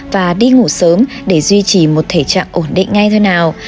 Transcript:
và đi ngủ sớm để duy trì một thể trạng ổn định ngay thế nào